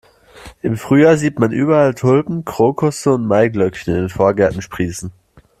Im Frühjahr sieht man überall Tulpen, Krokusse und Maiglöckchen in den Vorgärten sprießen.